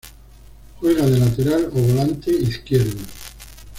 Juega de lateral o volante izquierdo.